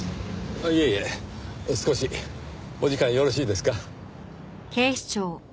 あっいえいえ少しお時間よろしいですか？